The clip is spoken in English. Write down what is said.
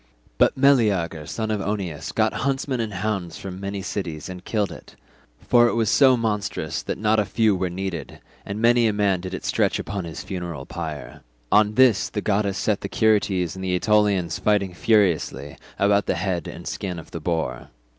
But Meleager son of Oeneus got huntsmen and hounds from many cities and killed it—for it was so monstrous that not a few were needed, and many a man did it stretch upon his funeral pyre. On this the goddess set the Curetes and the Aetolians fighting furiously about the head and skin of the boar.